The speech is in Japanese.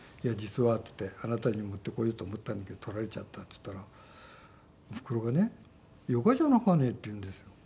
「あなたに持ってこようと思ったんだけど取られちゃった」って言ったらおふくろがね「よかじゃなかね」って言うんですよ。